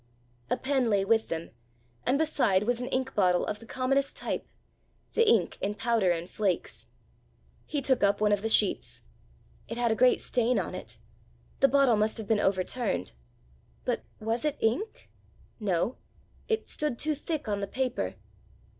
A pen lay with them, and beside was an ink bottle of the commonest type, the ink in powder and flakes. He took up one of the sheets. It had a great stain on it. The bottle must have been overturned! But was it ink? No; it stood too thick on the paper.